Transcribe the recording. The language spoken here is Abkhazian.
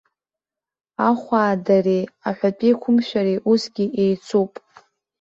Ахуаадареи аҳәатәеиқәымшәареи усгьы еицуп.